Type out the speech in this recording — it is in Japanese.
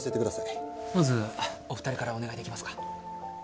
まずお二人からお願いできますか？